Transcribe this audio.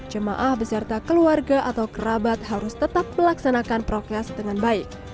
jemaah beserta keluarga atau kerabat harus tetap melaksanakan prokes dengan baik